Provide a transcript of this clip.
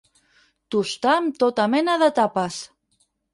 Tustar amb tota mena de tapes.